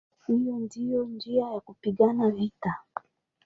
Hiyo ndiyo njia ya kupigana vita".